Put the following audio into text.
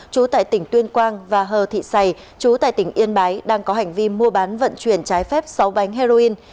chú tại tỉnh tuyên quang và hờ thị giày chú tại tỉnh yên bái đang có hành vi mua bán vận chuyển trái phép sáu bánh heroin